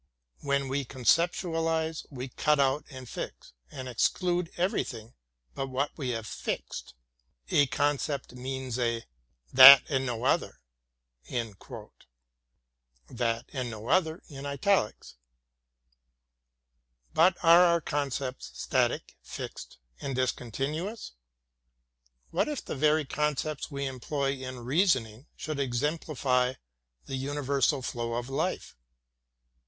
When we conceptualize we cut out and fix, and exclude everj^thing but what we have fixed. A concept means a tliat and no other." But are our concepts static, fixed, and discontinuous? What if the very concepts we employ in reasoning should exemplify the universal flow of life?